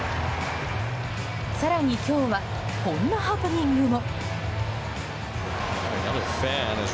更に今日はこんなハプニングも。